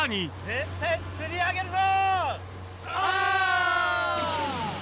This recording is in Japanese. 絶対、釣り上げるぞ！